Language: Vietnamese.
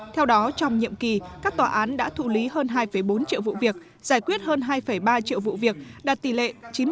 theo đó trong nhiệm kỳ các tòa án đã thụ lý hơn hai bốn triệu vụ việc giải quyết hơn hai ba triệu vụ việc đạt tỷ lệ chín mươi tám